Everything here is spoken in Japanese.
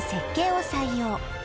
を採用